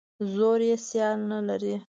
زور یې سیال نه لري.